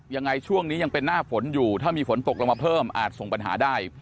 ยังไงช่วงนี้ยังเป็นหน้าฝนอยู่ถ้ามีฝนตกลงมาเพิ่มอาจส่งปัญหาได้